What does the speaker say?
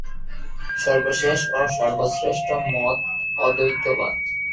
সর্বশেষ ও সর্বশ্রেষ্ঠ মত অদ্বৈতবাদ।